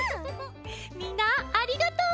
みんなありがとう！